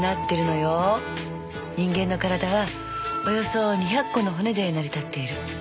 人間の体はおよそ２００個の骨で成り立っている。